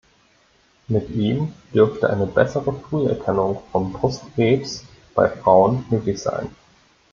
Mit ihm dürfte eine bessere Früherkennung von Brustkrebs bei Frauen möglich sein.